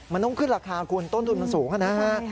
มันต้องขึ้นราคาคุณต้นทุนมันสูงนะฮะ